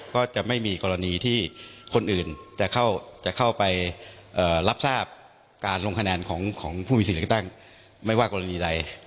ก็จะมีกรณีที่คนอื่นจะเข้าไปรับทราบการลงคะแนนของผู้มีสิทธิ์เลือกตั้งไม่ว่ากรณีใด